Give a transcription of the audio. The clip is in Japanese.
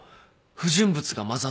不純物が混ざってる。